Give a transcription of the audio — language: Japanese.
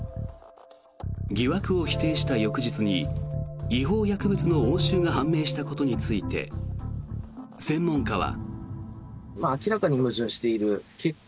疑惑を否定した翌日に違法薬物の押収が判明したことについて専門家は。